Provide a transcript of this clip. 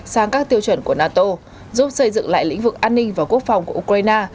sang các tiêu chuẩn của nato giúp xây dựng lại lĩnh vực an ninh và quốc phòng của ukraine